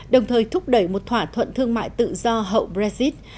đồng thời thúc đẩy một thỏa thuận thương mại tự do hậu brexit